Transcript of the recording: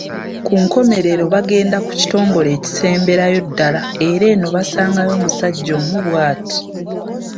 Ku nkomerero baagenda ku kitongole ekisemberayo ddala era eno baasangayo omusajja omu bw’ati.